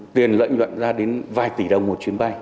tiền lợi nhuận ra đến vài tỷ đồng một chuyến bay